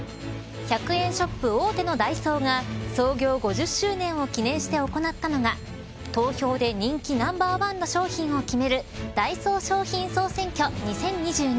１００円ショップ大手のダイソーが創業５０周年を記念して行ったのが投票で人気ナンバーワンの商品を決めるダイソー商品総選挙２０２２。